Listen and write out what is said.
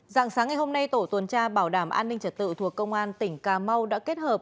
dạng sáng ngày hôm nay tổ tuần tra bảo đảm an ninh trật tự thuộc công an tỉnh cà mau đã kết hợp